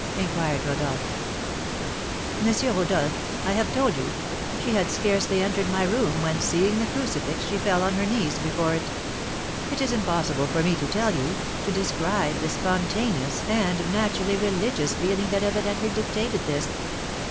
inquired Rodolph. "M. Rodolph, I have told you: she had scarcely entered my room, when, seeing the crucifix, she fell on her knees before it. It is impossible for me to tell you, to describe the spontaneous and naturally religious feeling that evidently dictated this.